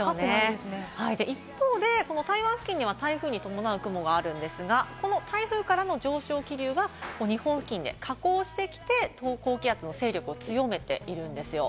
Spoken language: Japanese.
で、一方で台湾付近には台風に伴う雲があるんですが、この台風からの上昇気流が日本付近で下降してきて、この高気圧の勢力を強めているんですよ。